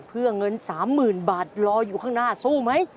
เพื่อเงิน๓๐๐๐บาทรออยู่ข้างหน้าสู้ไหม